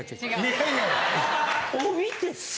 いやいや！